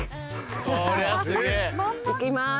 いきます。